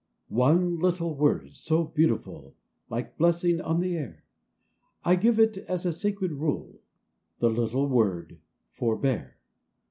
"WE little word so beautiful, ^ Like blessing on tbe air; I give it as a sacred rule— Tbe little word Forbear!